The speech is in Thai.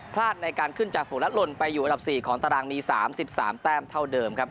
พลาดในการขึ้นจากฝูงและหล่นไปอยู่อันดับ๔ของตารางมี๓๓แต้มเท่าเดิมครับ